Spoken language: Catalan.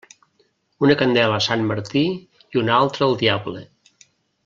Una candela a Sant Martí i una altra al diable.